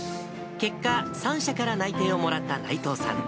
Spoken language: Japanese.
結果、３社から内定をもらった内藤さん。